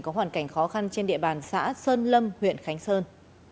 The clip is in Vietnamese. có hoàn cảnh khó khăn trên địa bàn xã sơn lâm huyện khánh sơn